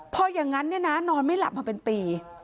เพราะอย่างนั้นนอนไม่หลับมาเป็นปี